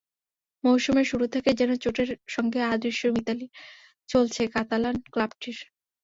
মৌসুমের শুরু থেকেই যেন চোটের সঙ্গে অদৃশ্য মিতালি চলছে কাতালান ক্লাবটির।